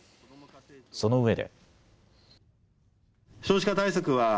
そのうえで。